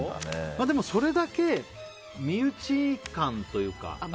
でも、それだけ身内感というか。